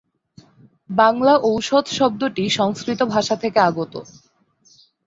বাংলা ঔষধ শব্দটি সংস্কৃত ভাষা থেকে আগত।